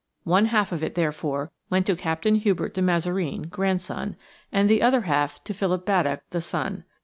One half of it, therefore, went to Captain Hubert de Mazareen, grandson, and the other half to Philip Baddock, the son.